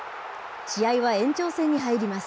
試合は延長戦に入ります。